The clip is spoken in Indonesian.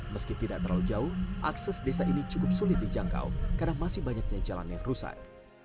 meski tidak terlalu jauh akses desa ini cukup sulit dijangkau karena masih banyaknya jalan yang rusak